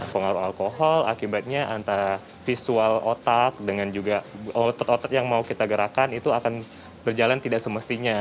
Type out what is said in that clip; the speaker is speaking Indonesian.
pengaruh alkohol akibatnya antara visual otak dengan juga otot otot yang mau kita gerakan itu akan berjalan tidak semestinya